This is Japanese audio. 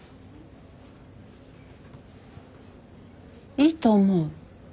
いいと思う。